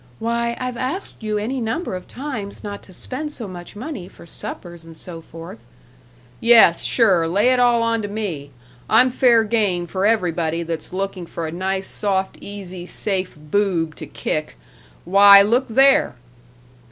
Why, I've asked you any number of times not to spend so much money for suppers and so forth " "Yes, sure, lay it all onto me. I'm fair game for everybody that's looking for a nice, soft, easy, safe boob to kick! Why, look there!"